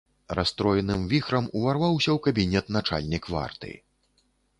Расстроеным віхрам уварваўся ў кабінет начальнік варты.